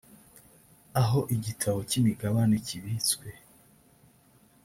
aho igitabo cy’imigabane kibitswe